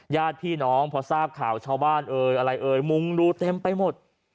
ญาติพี่น้องพอทราบข่าวชาวบ้านเมืองรูเต็มไปหมด